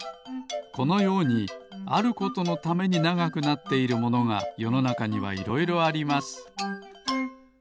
このようにあることのためにながくなっているものがよのなかにはいろいろあります。